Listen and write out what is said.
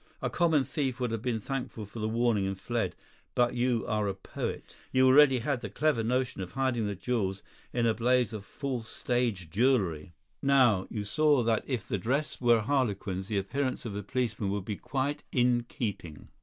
A common thief would have been thankful for the warning and fled; but you are a poet. You already had the clever notion of hiding the jewels in a blaze of false stage jewellery. Now, you saw that if the dress were a harlequin's the appearance of a policeman would be quite in keeping.